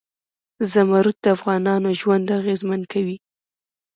زمرد د افغانانو ژوند اغېزمن کوي.